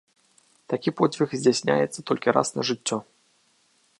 Такі подзвіг здзяйсняецца толькі раз на жыццё.